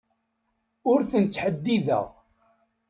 Ur ten-ttḥeddideɣ.